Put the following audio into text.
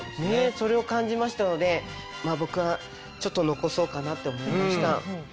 それを感じましたので僕はちょっと残そうかなって思いました。